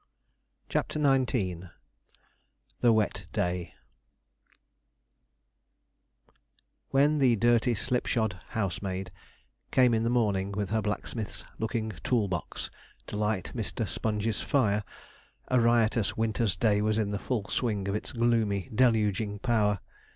CHAPTER XIX THE WET DAY When the dirty slip shod housemaid came in the morning with her blacksmith's looking tool box to light Mr. Sponge's fire, a riotous winter's day was in the full swing of its gloomy, deluging power.